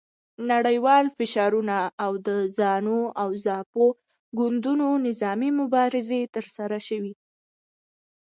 نړیوال فشارونه او د زانو او زاپو ګوندونو نظامي مبارزې ترسره شوې.